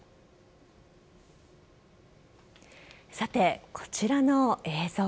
さて、こちらの映像。